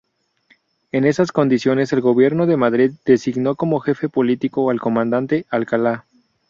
En esas condiciones el gobierno de Madrid designó como jefe político al comandante Alcalá.